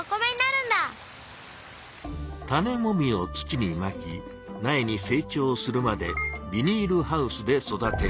種もみを土にまき苗に成長するまでビニールハウスで育てます。